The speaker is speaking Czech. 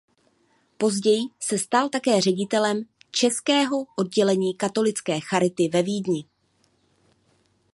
Později se stal také ředitelem českého oddělení katolické charity ve Vídni.